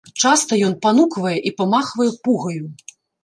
Часта ён пануквае і памахвае пугаю.